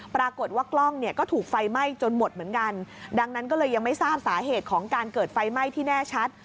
ปรากฏว่ากล้องเนี่ยก็ถูกไฟไหม้จนหมดเหมือนกันดังนั้นก็เลยยังไม่ทราบสาเหตุของการเกิดไฟไหม้ที่แน่ชัด